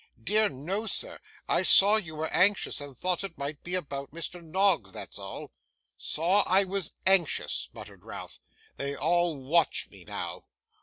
'Dear, no, sir! I saw you were anxious, and thought it might be about Mr Noggs; that's all.' 'Saw I was anxious!' muttered Ralph; 'they all watch me, now.